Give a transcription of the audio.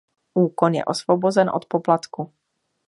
Úkon je osvobozen od poplatku.